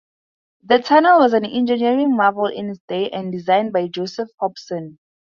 The tunnel was an engineering marvel in its day and designed by Joseph Hobson.